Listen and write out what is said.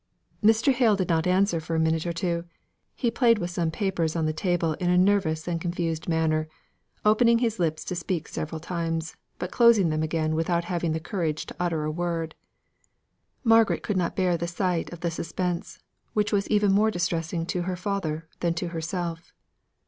Mr. Hale did not answer for a minute or two. He played with some papers on the table in a nervous and confused manner, opening his lips to speak several times, but closing them again without having the courage to utter a word. Margaret could not bear the sight of the suspense, which was even more distressing to her father than to herself.